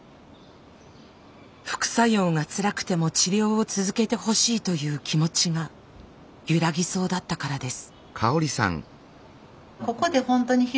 副作用がつらくても治療を続けてほしいという気持ちが揺らぎそうだったからです。